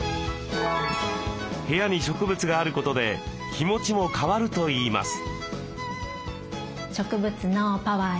部屋に植物があることで気持ちも変わるといいます。